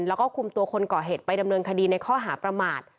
แล้วก็คุมตัวคนก่อเหตุไปดำเนินคดีในข้อหาประมาท